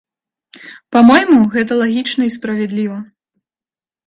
Па-мойму, гэта лагічна і справядліва.